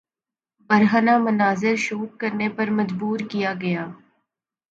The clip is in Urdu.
برہنہ مناظر شوٹ کرنے پر مجبور کیا گیا